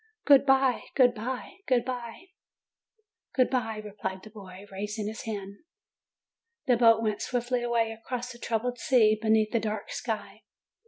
"Good bye! Good bye ! Good bye !" "Good bye!" replied the boy, raising his hand. The boat went swiftly away across the troubled sea, beneath the dark sky.